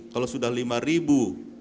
kalau sudah lima ribu